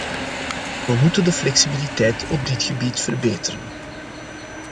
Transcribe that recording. We moeten de flexibiliteit op dit gebied verbeteren.